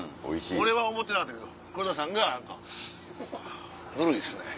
俺は思ってなかったけど黒田さんが何か「ぬるいですね」。